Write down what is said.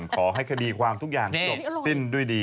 ขอให้คดีความทุกอย่างจบสิ้นด้วยดี